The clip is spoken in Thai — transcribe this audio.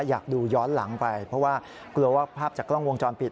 อยากดูย้อนหลังไปเพราะว่ากลัวว่าภาพจากกล้องวงจรปิด